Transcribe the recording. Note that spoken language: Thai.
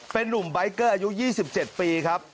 เป็นนุ่มใบเกอร์อายุ๒๗ปีครับ